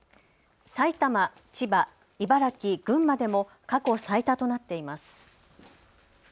埼玉、千葉、茨城、群馬でも過去最多となっています。